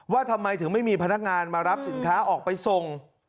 ว่าทำไมถึงไม่มีพนักงานมารับสินค้าออกไปส่ง